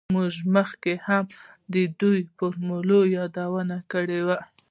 موږ مخکې هم د دې فورمول یادونه کړې وه